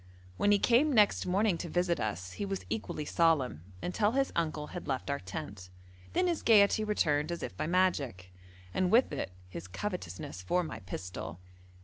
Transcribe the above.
When he came next morning to visit us he was equally solemn, until his uncle had left our tent; then his gaiety returned as if by magic, and with it his covetousness for my pistol.